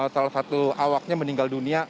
salah satu awaknya meninggal dunia